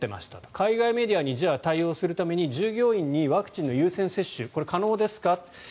海外メディアに対応するために従業員にワクチンの優先接種はこれは可能ですかと。